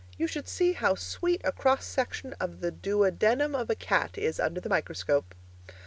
You should see how sweet a cross section of the duodenum of a cat is under the microscope.